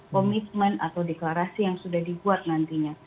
komitmen atau deklarasi yang sudah dibuat nantinya